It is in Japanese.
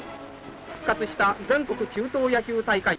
復活した全国中等野球大会。